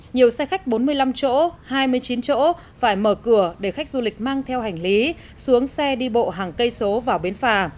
nhiều xe khách bốn mươi năm chỗ hai mươi chín chỗ phải mở cửa để khách du lịch mang theo hành lý xuống xe đi bộ hàng cây số vào bến phà